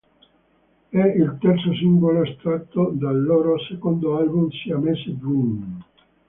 È il terzo singolo estratto dal loro secondo album, "Siamese Dream".